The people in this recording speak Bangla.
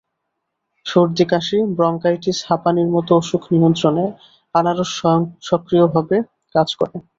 সর্দি-কাশি, ব্রঙ্কাইটিস, হাঁপানির মতো অসুখ নিয়ন্ত্রণে আনারস সক্রিয়ভাবে কাজ করে।